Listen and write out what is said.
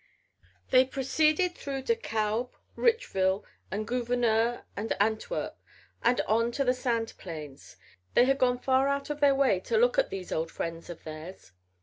They proceeded through DeKalb, Richville and Gouverneur and Antwerp and on to the Sand Plains. They had gone far out of their way for a look at these old friends of theirs.